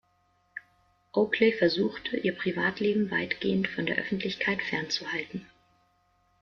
Oakley versuchte, ihr Privatleben weitgehend von der Öffentlichkeit fernzuhalten.